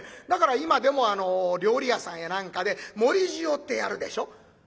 だから今でも料理屋さんや何かで盛り塩ってやるでしょ？